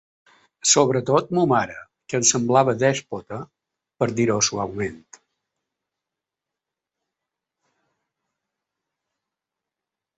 Sobretot ma mare, que em semblava dèspota, per dir-ho suaument.